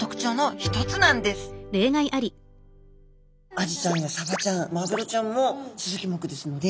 アジちゃんやサバちゃんマグロちゃんもスズキ目ですので。